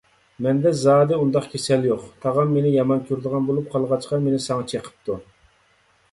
مەندە زادى ئۇنداق كېسەل يوق؛ تاغام مېنى يامان كۆرىدىغان بولۇپ قالغاچقا، مېنى ساڭا چېقىپتۇ.